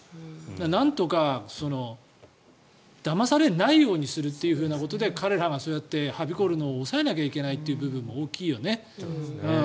なんとかだまされないようにするということで彼らがそうやってはびこるのを抑えなきゃいけない部分が大きいよね。